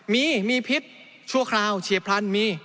มีมีพิษชั่วคราวเฉียบพลันมี